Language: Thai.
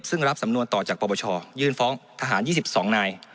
ซึ่งรับสำนวนต่อจากปรบชอยื่นฟ้องทหารยี่สิบสองนาย